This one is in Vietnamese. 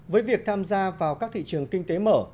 với việc tham gia vào các thị trường kinh tế mở